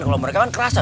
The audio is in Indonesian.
kalau mereka kan kerasa